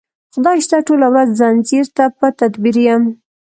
خدای شته ټوله ورځ ځنځیر ته په تدبیر یم